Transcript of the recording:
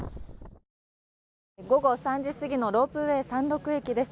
午後３時過ぎのロープウェー山麓駅です。